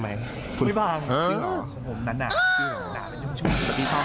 อื้อหรอผมของผมนั้นอ่ะชื่อน้ำน้ำชุดชื่อยพี่ชอบนะ